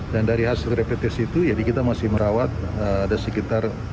dan dari hasil rapid test itu kita masih merawat ada sekitar empat puluh enam